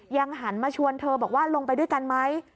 หันมาชวนเธอบอกว่าลงไปด้วยกันไหม